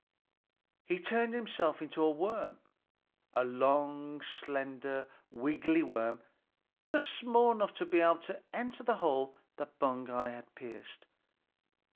He turned himself into a worm, a long, slender, wiggly worm, just small enough to be able to enter the hole that Baugi had pierced.